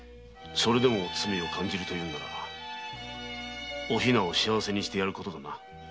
それでも罪を感じるというのならお比奈を幸せにしてやることだ。